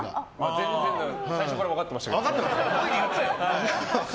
最初から分かってましたけど。